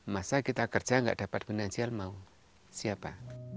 masa kita kerja nggak dapat finansial mau siapa